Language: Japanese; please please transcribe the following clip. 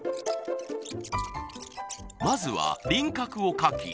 まずは輪郭を描き